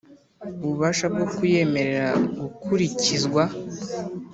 ububasha bwo kuyemerera gukurikizwa